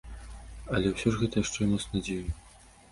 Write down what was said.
Але ўсё ж гэта яшчэ і мост надзеі.